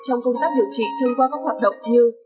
trong công tác điều trị thông qua các hoạt động như